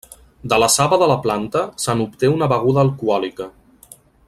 De la saba de la planta se n'obté una beguda alcohòlica.